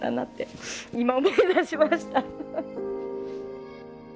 今思い出しました。